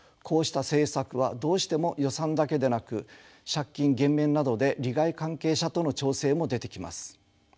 こうした政策はどうしても予算だけでなく借金減免などで利害関係者との調整も出てきます。